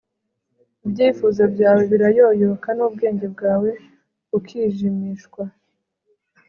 ibyifuzo byawe birayoyoka, n'ubwenge bwawe bukijimishwa